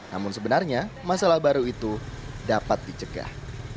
namun sebenarnya masalah baru itu dapat dicegah